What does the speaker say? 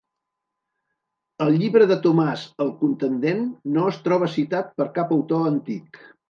El Llibre de Tomàs el Contendent no es troba citat per cap autor antic.